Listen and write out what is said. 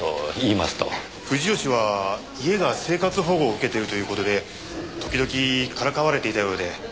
藤吉は家が生活保護を受けているという事で時々からかわれていたようで。